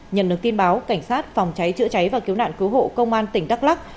nhận được tin báo cảnh sát phòng cháy chữa cháy và cứu nạn cứu hộ công an tỉnh đắk lắc